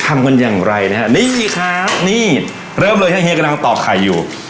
ทำกันอย่างไรนะฮะนี่ครับนี่เริ่มเลยฮะเฮียกำลังตอบไข่อยู่